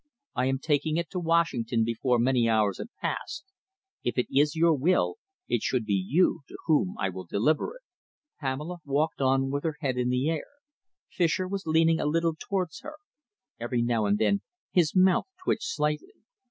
I am taking it to Washington before many hours have passed. If it is your will, it should be you to whom I will deliver it." Pamela walked on with her head in the air. Fischer was leaning a little towards her. Every now and then his mouth twitched slightly.